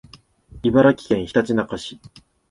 茨城県ひたちなか市